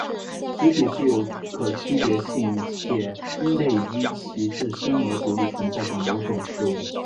实体是有可区别性且内于其自身而独立存在的某种事物。